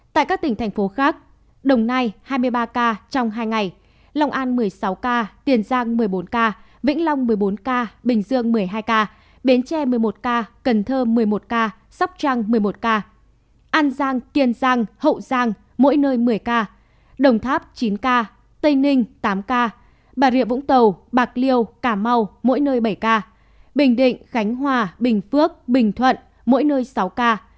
tại các tỉnh thành phố khác đồng nai hai mươi ba ca trong hai ngày lòng an một mươi sáu ca tiền giang một mươi bốn ca vĩnh long một mươi bốn ca bình dương một mươi hai ca bến tre một mươi một ca cần thơ một mươi một ca sóc trang một mươi một ca an giang kiên giang hậu giang mỗi nơi một mươi ca đồng tháp chín ca tây ninh tám ca bà rịa vũng tàu bạc liêu cà mau mỗi nơi bảy ca bình định khánh hòa bình phước bình thuận mỗi nơi sáu ca